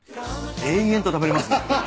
延々と食べれますね。